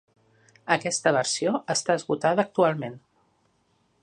Aquesta versió està esgotada actualment.